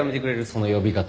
その呼び方。